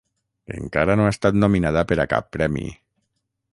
Encara no ha estat nominada per a cap premi.